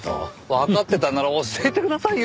わかってたんなら教えてくださいよ！